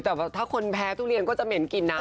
แต่ถ้าคนแพ้ทุเรียนก็จะเหม็นกลิ่นนะ